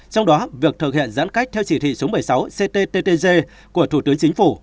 trong đó việc thực hiện giãn cách theo chỉ thị số một mươi sáu cttg của thủ tướng chính phủ